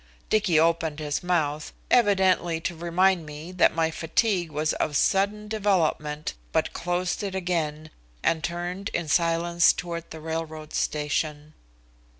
Dicky opened his mouth, evidently to remind me that my fatigue was of sudden development, but closed it again, and turned in silence toward the railroad station.